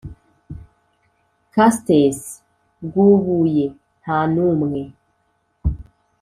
Castes bwubuye Nta n umwe